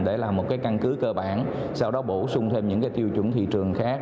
để làm một cái căn cứ cơ bản sau đó bổ sung thêm những cái tiêu chuẩn thị trường khác